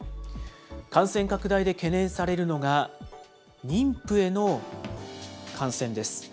感染拡大で懸念されるのが、妊婦への感染です。